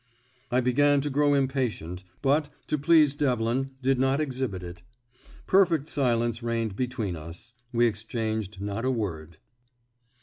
I began to grow impatient, but, to please Devlin, did not exhibit it. Perfect silence reigned between us; we exchanged not a word.